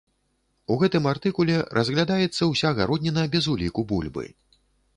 У гэтым артыкуле разглядаецца ўся гародніна без уліку бульбы.